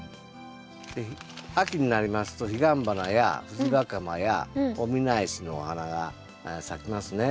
秋になりますとヒガンバナやフジバカマやオミナエシのお花が咲きますね。